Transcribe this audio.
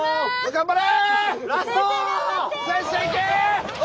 頑張れ！